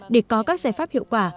để có các giải pháp hiệu quả